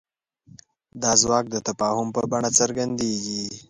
دا ځواک د تفاهم په بڼه څرګندېږي.